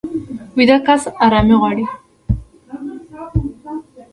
ویده کس ارامي غواړي